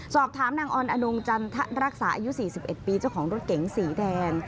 สอบถามนางออนอนงจันทะรักษาอายุ๔๑ปีเจ้าของรถเก๋งสีแดง